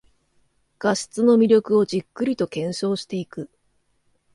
画質の魅力をじっくりと検証していく